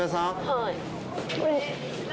はい。